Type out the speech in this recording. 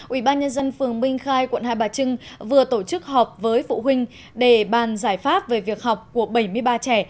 ubnd phường minh khai quận hai bà trưng vừa tổ chức họp với phụ huynh để bàn giải pháp về việc học của bảy mươi ba trẻ